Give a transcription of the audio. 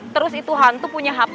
terus itu hantu punya hp